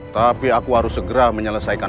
tapi aku harus segera menyelesaikan